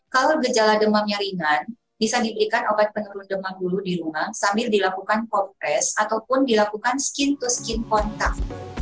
kalau gejala demamnya ringan bisa diberikan obat penelu demak dulu di rumah sambil dilakukan popres ataupun dilakukan skin to skin kontak